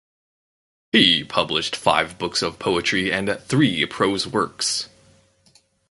He published five books of poetry and three prose works.